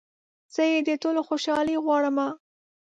زه يې د ټولو خوشحالي غواړمه